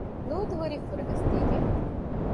ލޫޠު ހުރީ ފުރަގަސްދީގެން